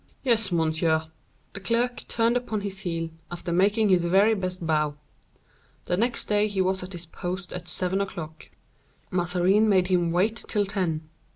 "Yes, monsieur." The clerk turned upon his heel, after making his very best bow. The next day he was at his post at seven o'clock. Mazarin made him wait till ten.